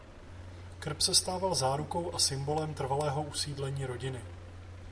Krb se stával zárukou a symbolem trvalého usídlení rodiny.